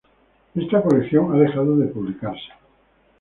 Esta colección ha dejado de publicarse.